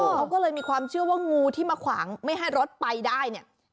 เขาก็เลยมีความเชื่อว่างูที่มาขวางไม่ให้รถไปได้เนี่ย